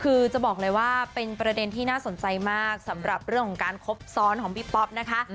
คือจะบอกเลยว่าเป็นประเด็นที่น่าสนใจมากสำหรับเรื่องของการคบซ้อนของพี่ป๊อปนะคะ